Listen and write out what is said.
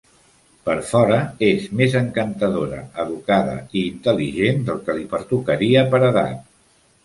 Per fora, és més encantadora, educada i intel·ligent del que li pertocaria per edat.